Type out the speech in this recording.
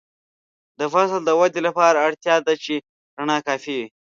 د فصل د ودې لپاره اړتیا ده چې رڼا کافي وي.